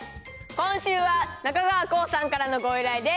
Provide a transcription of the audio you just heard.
今週は、中川こうさんからのご依頼です。